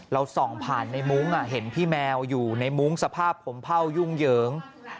เราส่องผ่านในมุ้งเห็นพี่แมวอยู่ในมุ้งสภาพผมเผ่ายุ่งเหยิง